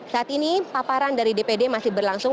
saat ini paparan dari dpd masih berlangsung